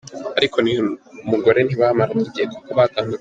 Ariko n’uyu mugore ntibamaranye igihe, kuko batandukanye.